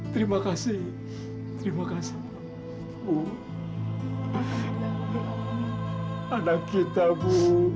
terima kasih terima kasih bu anak kita bu